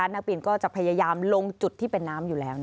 นักบินก็จะพยายามลงจุดที่เป็นน้ำอยู่แล้ว